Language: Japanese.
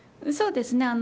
そうですね。